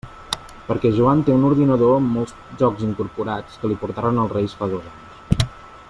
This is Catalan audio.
Perquè Joan té un ordinador amb molts jocs incorporats que li portaren els Reis fa dos anys.